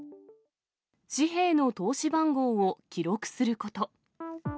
紙幣の通し番号を記録すること。